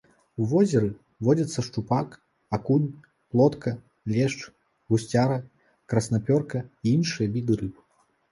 У возеры водзяцца шчупак, акунь, плотка, лешч, гусцяра, краснапёрка і іншыя віды рыб.